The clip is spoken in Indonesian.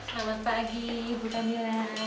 selamat pagi ibu tamila